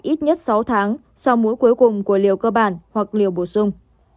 ít nhất sáu tháng sau mũi cuối cùng của liều cơ bản hoặc liều bổ sung